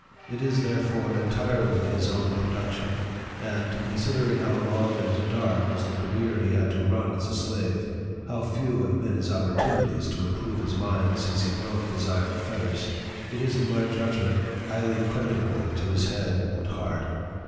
It is, therefore, entirely his own production ; and, con sidering how long and dark was the career he had to run as a slave, how few have been his opportunities to improve his mind since he broke his iron fetters, it is, in my judgment, highly creditable to his head and heart.